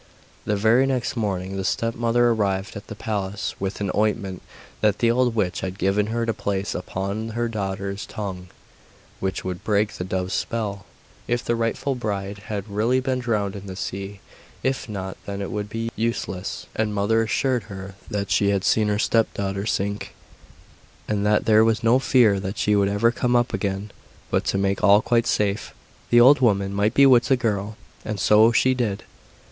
The very next morning the stepmother arrived at the palace with an ointment that the old witch had given her to place upon her daughter's tongue, which would break the dove's spell, if the rightful bride had really been drowned in the sea; if not, then it would be useless. The mother assured her that she had seen her stepdaughter sink, and that there was no fear that she would ever come up again; but, to make all quite safe, the old woman might bewitch the girl; and so she did.